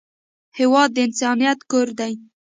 هېواد د انسانیت کور دی.